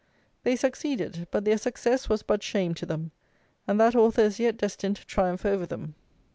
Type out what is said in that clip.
They succeeded; but their success was but shame to them; and that author is yet destined to triumph over them.